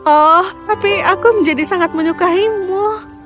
oh tapi aku menjadi sangat menyukaimu